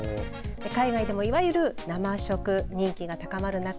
海外でも、いわゆる生食人気が高まる中